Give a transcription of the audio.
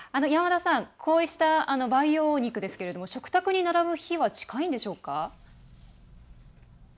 こうした培養肉ですが食卓に並ぶ日は近いんでしょうか？